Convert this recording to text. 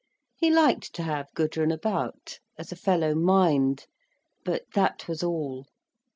He liked to have Gudrun about, as a fellow mind—but that was all.